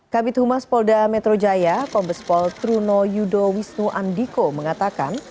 kabit humas polda metro jaya kombespol truno yudo wisnu andiko mengatakan